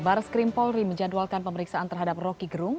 bar skrimpolri menjadwalkan pemeriksaan terhadap rocky gerung